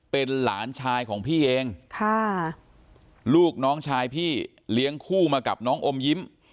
เป็นหลานชายของพี่เองค่ะลูกน้องชายพี่เลี้ยงคู่มากับน้องอมยิ้ม